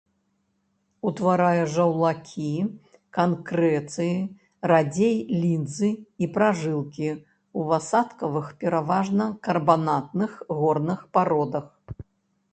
Утварае жаўлакі, канкрэцыі, радзей лінзы і пражылкі ў асадкавых, пераважна карбанатных горных пародах.